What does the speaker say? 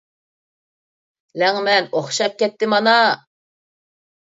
لەڭمەن ئوخشاپ كەتتى مانا.